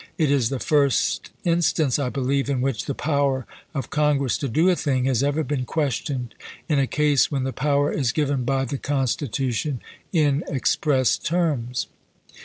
It is the chap.ii. first instance, I believe, in which the power of Con gress to do a thing has ever been questioned in a case when the power is given by the Constitution in express terms.